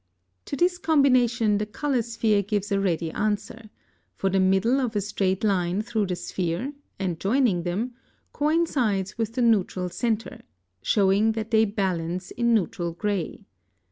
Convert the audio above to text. To this combination the color sphere gives a ready answer; for the middle of a straight line through the sphere, and joining them, coincides with the neutral centre, showing that they balance in neutral gray.